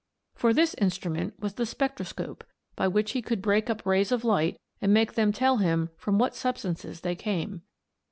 For this instrument was the SPECTROSCOPE, by which he could break up rays of light and make them tell him from what substances they came.